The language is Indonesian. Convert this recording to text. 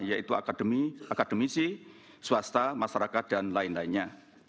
yaitu akademisi swasta masyarakat dan lain lainnya